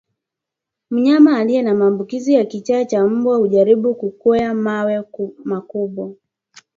Mnyama aliye na maambukizi ya kichaa cha mbwa hujaribu kukwea mawe makubwa